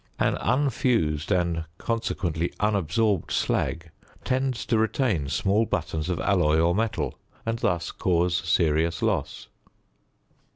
An unfused and, consequently, unabsorbed slag tends to retain small buttons of alloy or metal, and thus cause serious loss.